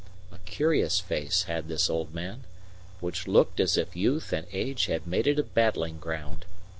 A curious face had this old man, which looked as if youth and age had made it a battling ground.